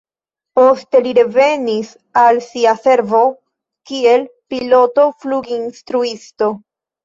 Poste li revenis al sia servo kiel piloto-fluginstruisto.